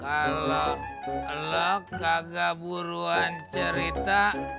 kalau lo kagak buruan cerita